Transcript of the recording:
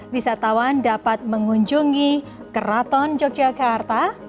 wisatawan dapat mengunjungi keraton yogyakarta